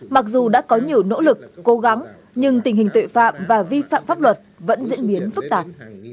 mặc dù đã có nhiều nỗ lực cố gắng nhưng tình hình tội phạm và vi phạm pháp luật vẫn diễn biến phức tạp